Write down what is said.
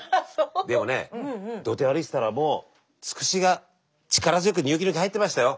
でもね土手歩いてたらもうつくしが力強くニョキニョキ生えてましたよ。